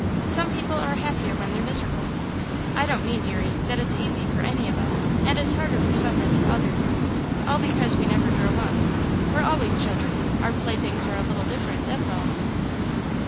Some people are happier when they're miserable. I don't mean, deary, that it's easy for any of us, and it's harder for some than for others, all because we never grow up. We're always children our playthings are a little different, that's all."